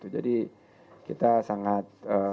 jadi kita sangat